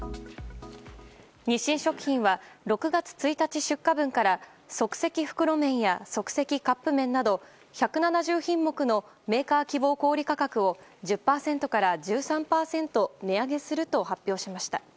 日清食品は６月１日出荷分から即席袋麺や即席カップ麺など１７０品目のメーカー希望小売価格を１０％から１３％値上げすると発表しました。